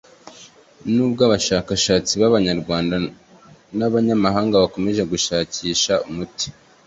nubwo abashakashatsi b'abanyarwanda n'abanyamahanga bakomeje gushakisha umuti